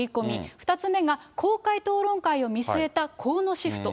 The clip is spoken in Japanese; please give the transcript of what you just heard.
２つ目が公開討論会を見据えた河野シフト。